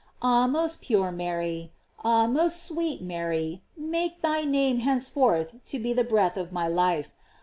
Ah, most pure Mary! ah, most sweet Mary! make thy name henceforth to be the breath of my life.